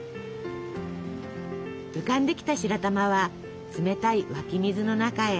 浮かんできた白玉は冷たい湧き水の中へ。